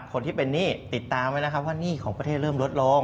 คนที่เป็นหนี้ติดตามไว้แล้วครับว่าหนี้ของประเทศเริ่มลดลง